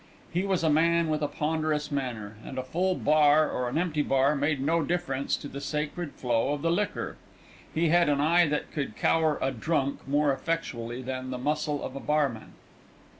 He was a man with a ponderous manner, and a full bar or an empty bar made no difference to the sacred flow of the liquor. He had an eye that could cower a "drunk" more effectually than the muscle of a barman.